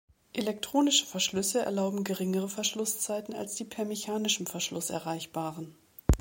Elektronische Verschlüsse erlauben geringere Verschlusszeiten als die per mechanischem Verschluss erreichbaren.